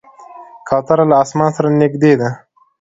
کوتره له اسمان سره نږدې ده.